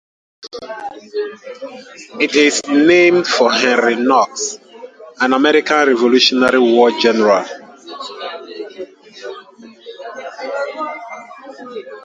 It is named for Henry Knox, an American Revolutionary War general.